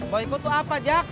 boykot itu apa jak